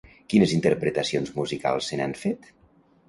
Quines interpretacions musicals se n'han fet?